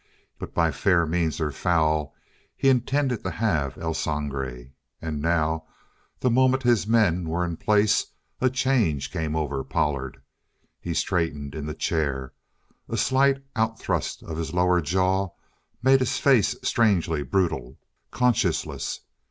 But by fair means or foul he intended to have El Sangre. And now, the moment his men were in place, a change came over Pollard. He straightened in the chair. A slight outthrust of his lower jaw made his face strangely brutal, conscienceless.